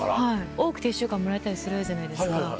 多くて１週間もらえたりするじゃないですか。